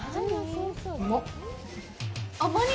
うまっ！